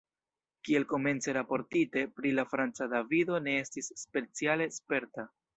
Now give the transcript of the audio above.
Kiel komence raportite, pri la Franca Davido ne estis speciale sperta.